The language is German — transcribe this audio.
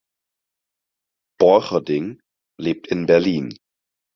Borcherding lebt in Berlin.